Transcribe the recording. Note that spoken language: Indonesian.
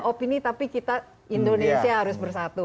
opini tapi kita indonesia harus bersatu